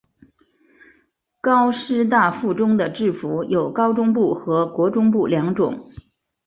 高师大附中的制服有高中部和国中部两种。